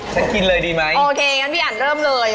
กินเลยดีไหมโอเคงั้นพี่อันเริ่มเลย